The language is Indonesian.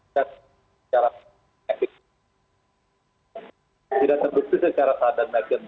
secara ekistrik tidak terbukti secara padat dan agen